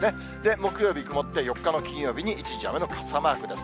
木曜日曇って、４日の金曜日に一時雨の傘マークです。